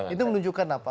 itu menunjukkan apa